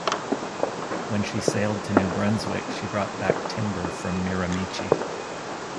When she sailed to New Brunswick she brought back timber from Miramichi.